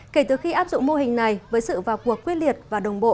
kể từ khi áp dụng mô hình này với sự vào cuộc quyết liệt và đồng bộ